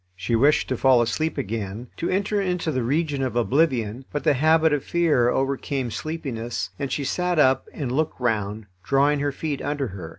She wished to fall asleep again, to enter into the region of oblivion, but the habit of fear overcame sleepiness, and she sat up and looked round, drawing her feet under her.